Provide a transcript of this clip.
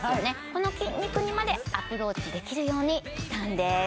この筋肉にまでアプローチできるようにしたんです